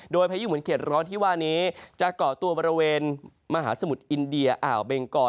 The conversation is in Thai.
โดยพายุเหมือนเข็ดร้อนที่ว่านี้จะเกาะตัวบริเวณมหาสมุทรอินเดียอ่าวเบงกอ